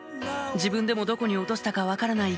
自分でもどこに落としたか分からない